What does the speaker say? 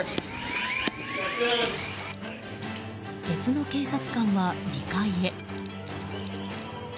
別の警察官は２階へ。